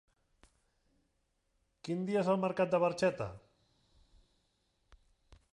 Quin dia és el mercat de Barxeta?